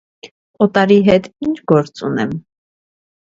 օտարի հետ ի՞նչ գործ ունեմ: